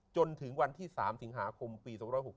จนถึงวันที่๓สิงหาคมปี๒๖๖